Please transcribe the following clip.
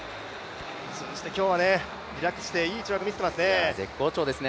通じて今日はリラックスしていい跳躍を見せていますね。